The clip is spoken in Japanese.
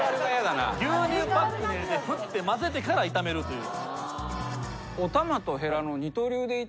牛乳パックに入れて振ってまぜてから炒めるという。